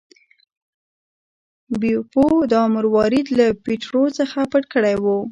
بیپو دا مروارید له پیټرو څخه پټ کړی و.